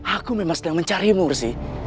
aku memang sedang mencari mursi